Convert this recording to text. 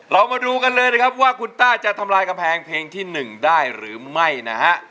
เรามาดูกันเลยนะครับว่าคุณต้าจะทำลายกำแพงเพลงที่๑ได้หรือไม่นะฮะ